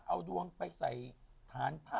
เอาดวงไปใส่ฐานพระ